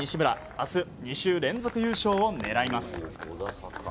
明日、２週連続優勝を狙います。